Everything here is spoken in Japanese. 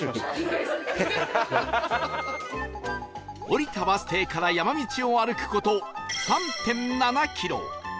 降りたバス停から山道を歩く事 ３．７ キロ